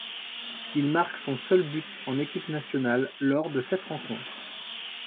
Il marque son seul but en équipe nationale lors de cette rencontre.